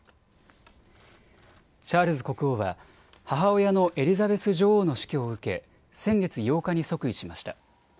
チャールズ国王は母親のエリザベス女王の死去を受け先月８日に即位しました。